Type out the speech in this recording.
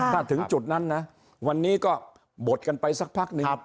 ถ้าถึงจุดนั้นนะวันนี้ก็บดกันไปสักพักหนึ่ง